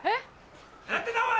何やってんだお前おい！